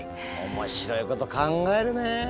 面白いこと考えるね。